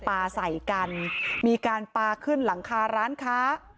ปลาใส่กันมีการปลาขึ้นหลังคาร้านค้า